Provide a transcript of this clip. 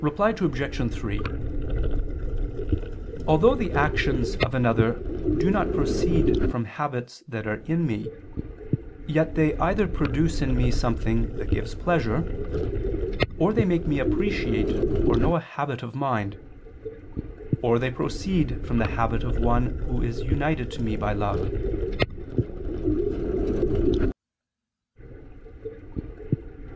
Reply Obj. 3: Although the actions of another do not proceed from habits that are in me, yet they either produce in me something that gives pleasure; or they make me appreciate or know a habit of mind; or they proceed from the habit of one who is united to me by love.